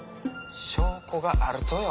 証拠があるとよ。